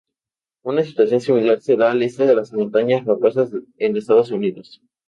Una situación similar se da al este de las Montañas Rocosas en Estados Unidos.